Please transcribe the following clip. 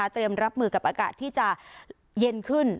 เตรียมรับมือกับอากาศที่จะเย็นขึ้น